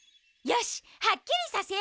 よしはっきりさせよう！